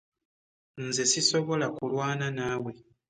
Nze sisobola kulwaana naawe.